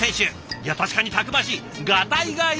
いや確かにたくましい。